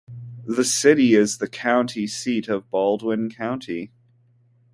The city is the county seat of Baldwin County.